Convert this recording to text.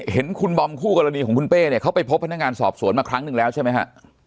เห็นคุณบอมคู่กรณีของคุณเป้เนี่ยเขาไปพบพนักงานสอบสวนมาครั้งหนึ่งแล้วใช่ไหมฮะ